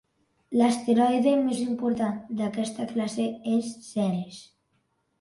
L'asteroide més important d'aquesta classe és Ceres.